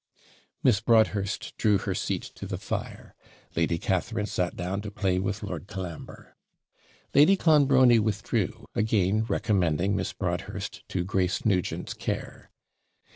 Miss Broadhurst drew her seat to the fire; Lady Catharine sat down to play with Lord Colambre; Lady Clonbrony withdrew, again recommending Miss Broadhurst to Grace Nugent's care.